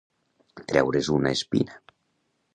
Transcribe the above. Treure's una espina.